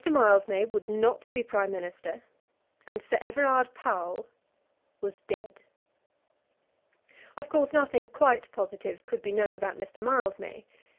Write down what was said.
Mildmay would not be Prime Minister, and Sir Everard Powell was dead. Of course nothing quite positive could be known about Mr. Mildmay.